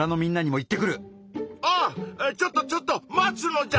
あちょっとちょっと待つのじゃ！